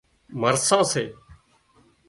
مرسان سي